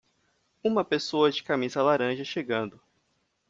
Uma pessoa de camisa laranja chegando.